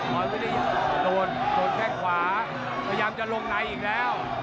โบย์วิทยาโดนแค่ขวาพยายามจะลงในอีกแล้ว